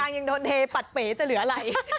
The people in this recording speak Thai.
แต่การยังโดนเฮปัดเป๋จะเหลือไร